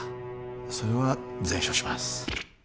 それは善処します